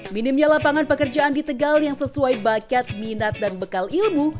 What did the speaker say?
minimnya lapangan pekerjaan di tegal yang sesuai bakat minat dan bekal ilmu